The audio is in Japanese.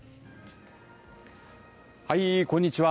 こんにちは。